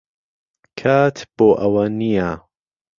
کات بۆ ئەوە نییە.